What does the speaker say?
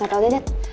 gak tau dad